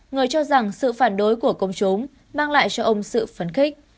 người cho rằng sự phản đối của công chúng mang lại cho ông sự phấn khích